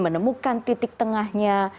menemukan titik tengahnya